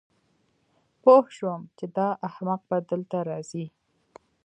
پوه شوم چې دا احمق به دلته راځي